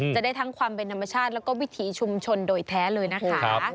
จะได้ทั้งความเป็นธรรมชาติแล้วก็วิถีชุมชนโดยแท้เลยนะคะ